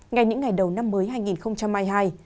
ngay những ngày đầu năm mới hai nghìn hai mươi hai